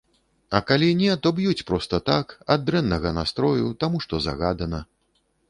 А калі не, то б'юць проста так, ад дрэннага настрою, таму што загадана.